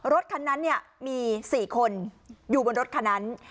รถคันนั้นมี๔คนอยู่บนรถคันนั้น